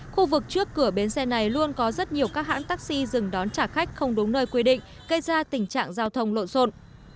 khu vực trước cửa bến xe này luôn có rất nhiều các hãng taxi dừng đón trả khách không đúng nơi quy định gây ra tình trạng giao thông lộn xộn